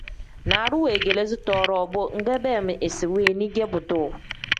Naaru weegeleezi too-ro bo nbeem isi weeni ge buduu.